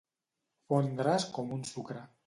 Fondre's com un sucre.